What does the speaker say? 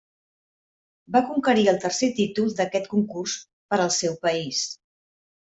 Va conquerir el tercer títol d'aquest concurs per al seu país.